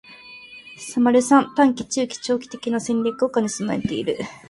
③ 短期、中期、長期的な戦略を兼ね備えている